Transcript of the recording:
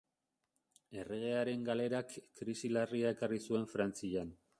Erregearen galerak krisi larria ekarri zuen Frantzian.